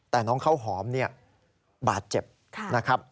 แต่น้องข้าวหอมเนี่ยบาดเจ็บนะครับ